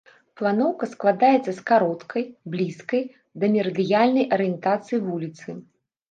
Планоўка складаецца з кароткай, блізкай да мерыдыянальнай арыентацыі вуліцы.